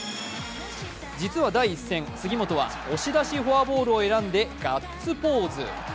実は第１戦、杉本は押し出しフォアボールを選んだガッツポーズ。